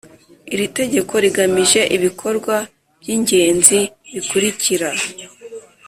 Iri tegeko rigamije ibikorwa by ingenzi bikurikira